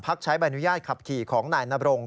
ใช้ใบอนุญาตขับขี่ของนายนบรง